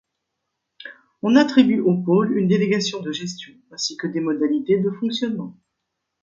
On attribue aux pôles une délégation de gestion ainsi que des modalités de fonctionnement.